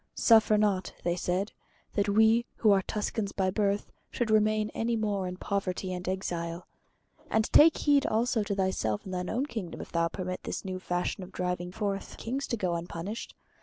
"Suffer not," they said, "that we, who are Tuscans by birth, should remain any more in poverty and exile. And take heed also to thyself and thine own kingdom if thou permit this new fashion of driving forth kings to go unpunished.